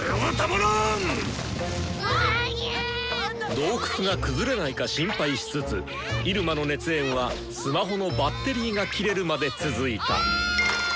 洞窟が崩れないか心配しつつ入間の熱演はス魔ホのバッテリーが切れるまで続いた。